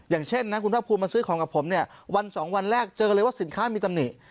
อย่างเช่นนะคุณภาคภูมิมาซื้อของกับผมเนี่ยวันสองวันแรกเจอกันเลยว่าสินค้ามีตำหนิ